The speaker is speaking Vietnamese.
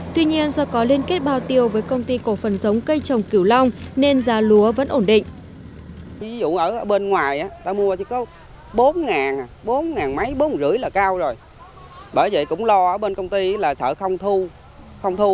tuy nhiên do có liên kết bao tiêu với công ty cổ phần giống cây trồng cửu long nên giá lúa vẫn ổn định